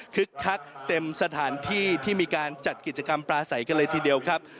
คักเต็มสถานที่ที่มีการจัดกิจกรรมปลาใสกันเลยทีเดียวครับ